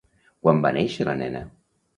Quan va néixer la nena?